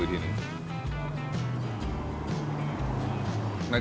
อร่อยมาก